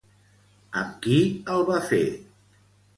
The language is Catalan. Amb qui el va fer?